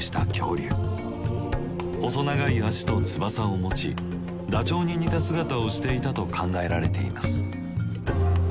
細長い脚と翼を持ちダチョウに似た姿をしていたと考えられています。